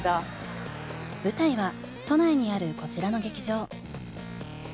舞台は都内にあるこちらの劇場。